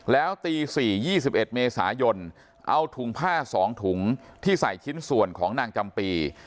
แล้วตี๔๒๑เมษายนเอาถุงผ้า๒ถุงที่ใส่ชิ้นส่วนของนางจำปี